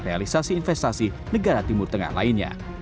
realisasi investasi negara timur tengah lainnya